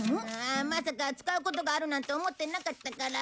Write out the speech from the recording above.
まさか使うことがあるなんて思ってなかったから。